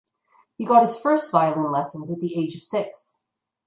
He got his first violin lessons at the age of six.